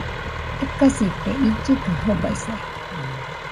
Ekasite, illɨ kaɨ jobaisai